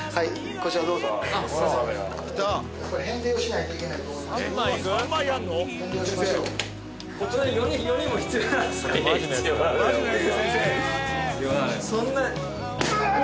これ返礼をしないといけないんです